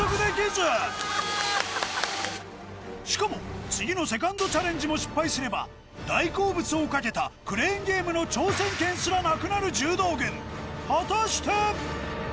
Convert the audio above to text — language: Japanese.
しかも次のセカンドチャレンジも失敗すれば大好物をかけたクレーンゲームの挑戦権すらなくなる柔道軍果たして？